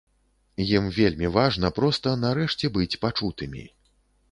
Ім вельмі важна проста нарэшце быць пачутымі.